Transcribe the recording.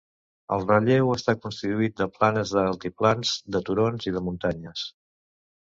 El relleu està constituït de planes, d'altiplans, de turons i de muntanyes.